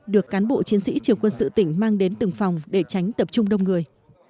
được cán bộ chiến sĩ trường quân sự tỉnh mang đến từng phòng để tránh tập trung đông người